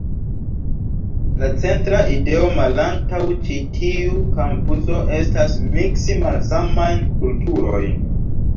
La centra ideo malantaŭ ĉi tiu kampuso estas miksi malsamajn kulturojn.